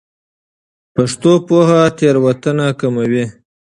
پښتو پوهه تېروتنه کموي.